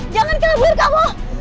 jangan kabur kamu